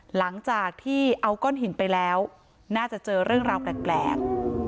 หลังจากที่เอาก้อนหินไปแล้วน่าจะเจอเรื่องราวแปลก